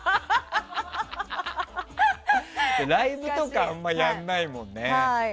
ライブとかあんまりやらないもんね。